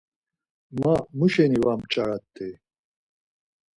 Ma muşeni var mç̌arat̆i?